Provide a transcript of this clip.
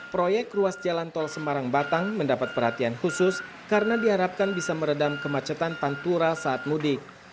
proyek ruas jalan tol semarang batang mendapat perhatian khusus karena diharapkan bisa meredam kemacetan pantura saat mudik